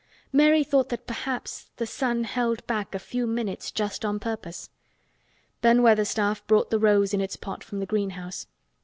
Mary thought that perhaps the sun held back a few minutes just on purpose. Ben Weatherstaff brought the rose in its pot from the greenhouse.